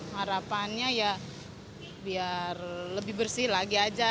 harapannya ya biar lebih bersih lagi aja